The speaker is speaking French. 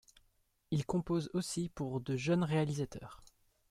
Il compose aussi pour de jeunes réalisateurs.